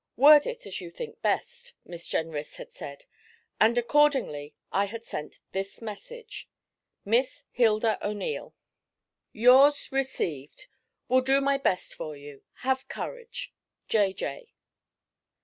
'Word it as you think best,' Miss Jenrys had said, and accordingly I had sent this message: 'MISS HILDA O'NEIL, 'Yours received. Will do my best for you. Have courage. 'J.J.'